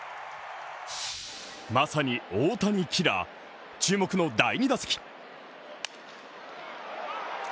まさに大谷キラー、注目の第２打席。